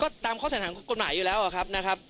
ก็ตามข้อสัญญาณกฏหมายอยู่แล้วนะครับ